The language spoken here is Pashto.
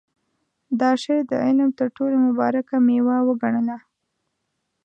دا شی د علم تر ټولو مبارکه مېوه وګڼله.